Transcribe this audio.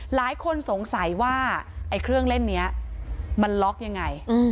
หลายคนสงสัยว่าไอ้เครื่องเล่นนี้มันล็อกยังไง